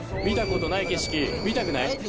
見たことない景色見たくない？